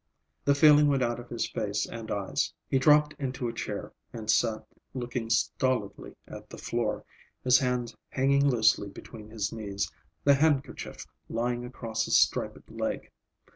The feeling went out of his face and eyes. He dropped into a chair and sat looking stolidly at the floor, his hands hanging loosely between his knees, the handkerchief lying across his striped leg.